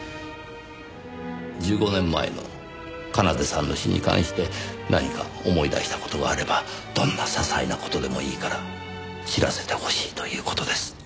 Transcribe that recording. １５年前の奏さんの死に関して何か思い出した事があればどんな些細な事でもいいから知らせてほしいという事です。